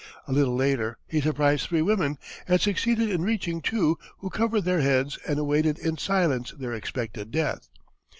A little later he surprised three women, and succeeded in reaching two, who covered their heads and awaited in silence their expected death.